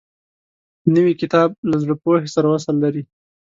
نوی کتاب له زړې پوهې سره وصل لري